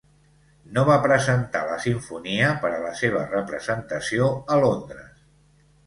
No va presentar la simfonia per a la seva representació a Londres.